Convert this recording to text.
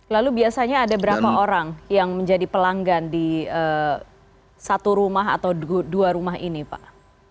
lalu biasanya ada berapa orang yang menjadi pelanggan di satu rumah atau dua rumah ini pak